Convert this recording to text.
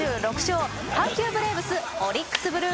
阪急ブレーブスオリックス・ブルー